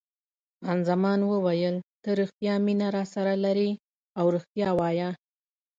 خان زمان وویل: ته رښتیا مینه راسره لرې او رښتیا وایه.